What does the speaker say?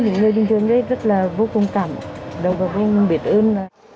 những người bình thường đấy rất là vô công cảm đồng hợp với mình biết ơn